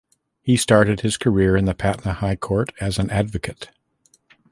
He started his career in the Patna High Court as an advocate.